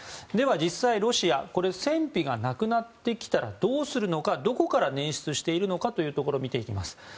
では実際、ロシア戦費がなくなってきたらどうするのかどこから捻出しているのかを見ていきます。